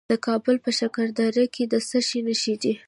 د کابل په شکردره کې د څه شي نښې دي؟